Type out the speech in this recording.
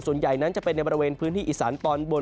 ส่วนใหญ่นั้นจะเป็นในบริเวณพื้นที่อีสานตอนบน